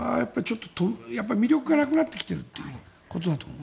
魅力がなくなってきてるということだと思う。